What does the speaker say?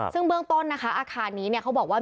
ซึ่งเบื้องต้นอาคารนี้เขาบอกว่า